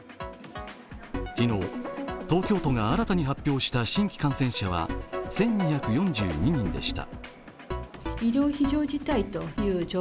昨日、東京都が新たに発表した新規感染者は１２４２人でした。